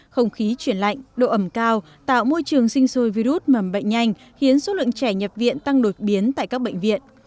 không khí chuyển lạnh độ ẩm cao tạo môi trường sinh sôi virus mầm bệnh nhanh khiến số lượng trẻ nhập viện tăng đột biến tại các bệnh viện